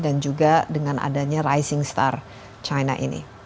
dan juga dengan adanya rising star china ini